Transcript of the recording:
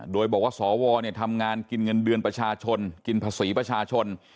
โดยบอกว่าสวทำงานกินเงินเดือนประชาชนกินภาษีประชาชน